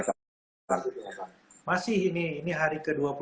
masih ini hari ke dua puluh dua